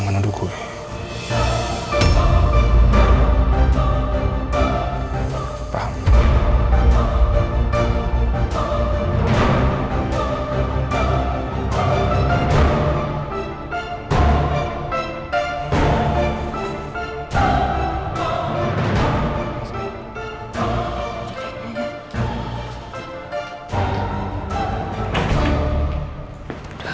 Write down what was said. saya harus hati hati sama dia